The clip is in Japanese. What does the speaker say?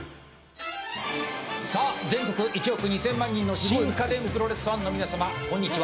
全国１億２０００万人の新家電プロレスファンの皆様こんにちは。